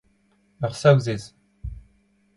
Ur Saozez.